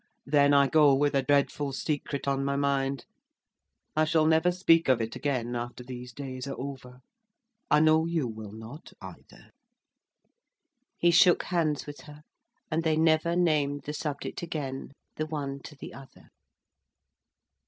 Then I go with a dreadful secret on my mind. I shall never speak of it again, after these days are over. I know you will not, either." He shook hands with her: and they never named the subject again, the one to the other.